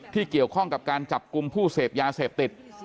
เกี่ยวข้องกับการจับกลุ่มผู้เสพยาเสพติด